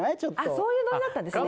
そういうノリだったんですね。